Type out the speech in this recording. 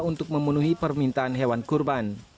untuk memenuhi penghantaran sapi potong madura